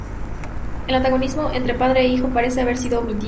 El antagonismo entre padre e hijo parece haber sido omitido.